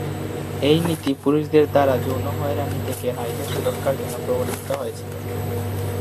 এই নীতি পুরুষদের দ্বারা যৌন হয়রানি থেকে নারীদের সুরক্ষার জন্য প্রবর্তিত হয়েছিল।